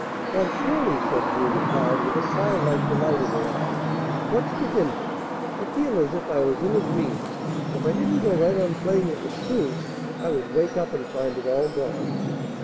"Why, surely," said Julia Cloud with a child like delight in her eyes. "What's to hinder? I feel as if I was in a dream, and if I didn't go right on playing it was true I would wake up and find it all gone."